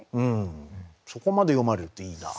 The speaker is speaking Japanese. そこまで読まれるっていいなあ。